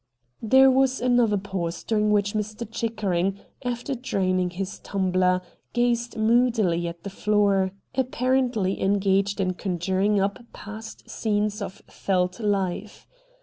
There was another pause, during which Mr. Chickering, after draining his tumbler, gazed moodily at the floor, apparently engaged in conjuring up past scenes of Veldt life.